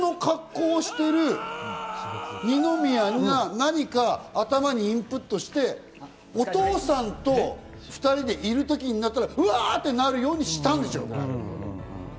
あれ多分、シベツの格好をしてる二宮が何か頭にインプットしてお父さんと２人でいるときになったら、うわぁ！ってなるようにしたんじゃない？